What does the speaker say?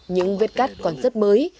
những vết cắt còn rất mới